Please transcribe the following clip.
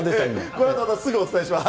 このあとすぐお伝えします。